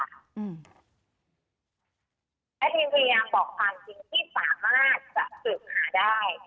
และทีมพยายามบอกความจริงที่สามารถจะสืบหาได้